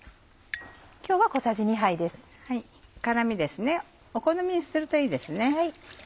辛みですねお好みにするといいですね。